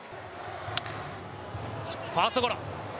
ファーストゴロ。